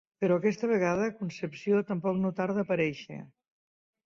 Però aquesta vegada, Concepción tampoc no tarda a aparèixer.